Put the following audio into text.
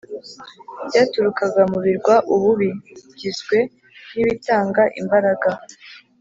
byaturukaga mu birwa ubu bigizwe nibitanga imbaraga.